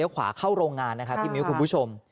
ขวาเข้าโรงงานนะครับพี่มิ้วคุณผู้ชม